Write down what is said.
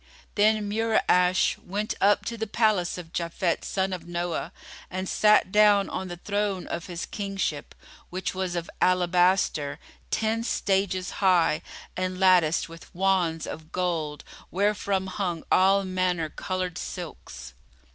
Then Mura'ash went up to the palace of Japhet son of Noah and sat down on the throne of his kingship, which was of alabaster, ten stages high and latticed with wands of gold wherefrom hung all manner coloured silks.